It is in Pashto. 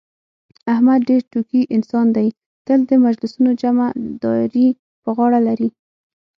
احمد ډېر ټوکي انسان دی، تل د مجلسونو جمعه داري په غاړه لري.